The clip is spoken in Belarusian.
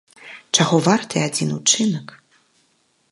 Чаго варты адзін учынак?